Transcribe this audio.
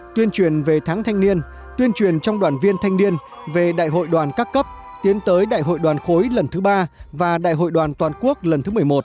tuyên truyền về tháng thanh niên tuyên truyền trong đoàn viên thanh niên về đại hội đoàn các cấp tiến tới đại hội đoàn khối lần thứ ba và đại hội đoàn toàn quốc lần thứ một mươi một